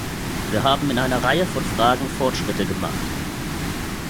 Wir haben in einer Reihe von Fragen Fortschritte gemacht.